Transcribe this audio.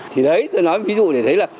thì đấy tôi nói ví dụ để thấy là